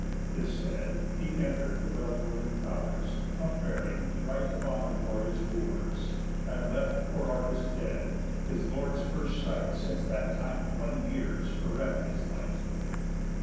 _ This said, he enter'd the well builded tow'rs, Up bearing right upon the glorious Wooers, And left poor Argus dead; his lord's first sight Since that time twenty years bereft his light.